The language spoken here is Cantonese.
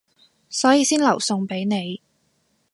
所以先留餸畀你